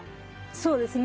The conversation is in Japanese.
そうですね。